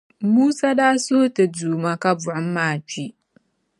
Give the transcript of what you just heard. Musa daa suhi Ti Duuma ka buɣim maa kpi.